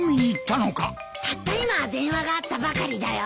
たった今電話があったばかりだよ。